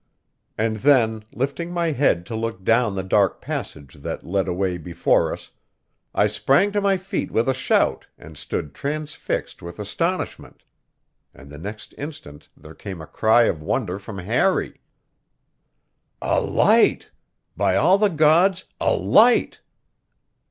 And then, lifting my head to look down the dark passage that led away before us, I sprang to my feet with a shout and stood transfixed with astonishment. And the next instant there came a cry of wonder from Harry: "A light! By all the gods, a light!"